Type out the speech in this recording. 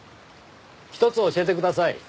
ひとつ教えてください。